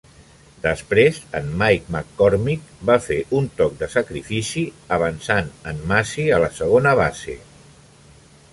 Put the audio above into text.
Després en Mike McCormick va fer un toc de sacrifici, avançant en Masi a la segona base.